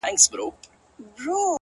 اوس چي زه ليري بل وطن كي يمه;